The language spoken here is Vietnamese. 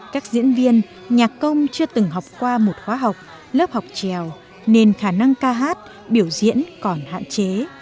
các diễn viên nhạc công chưa từng học qua một khóa học lớp học trèo nên khả năng ca hát biểu diễn còn hạn chế